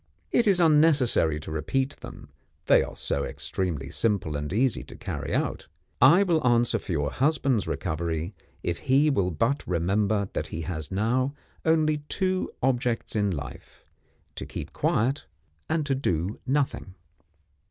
It is unnecessary to repeat them, they are so extremely simple and easy to carry out. I will answer for your husband's recovery if he will but remember that he has now only two objects in life to keep quiet, and to do Nothing."